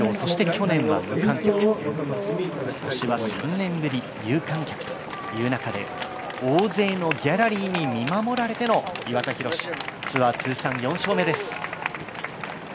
今年は３年ぶり有観客という中で大勢のギャラリーに見守られての岩田寛、ツアー通算４勝目です。